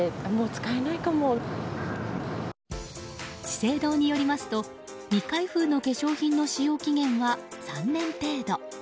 資生堂によりますと未開封の化粧品の使用期限は３年程度。